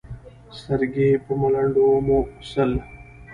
سرګي په ملنډو وموسل.